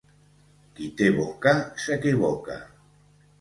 Qui té boca s'equivoca.